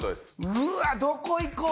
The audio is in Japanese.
うわどこいこう？